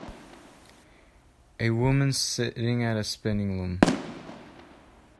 A woman sitting at a spinning loom.